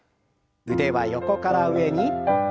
腕は横から上に。